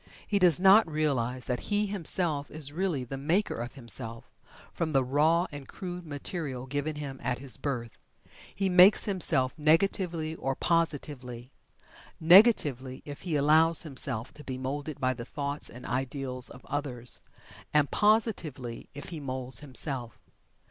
He does not realize that he himself is really the maker of himself, from the raw and crude material given him at his birth. He makes himself negatively or positively. Negatively, if he allows himself to be moulded by the thoughts and ideals of others, and positively, if he moulds himself.